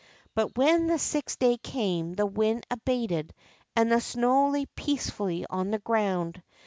But when the sixth day came the wind abated and the snow lay peacefully on the ground.